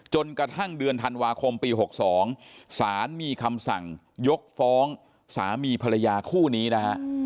จนกระทั่งเดือนธันวาคมปี๖๒สารมีคำสั่งยกฟ้องสามีภรรยาคู่นี้นะฮะ